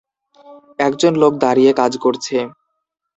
একজন লোক দাঁড়িয়ে কাজ করছে।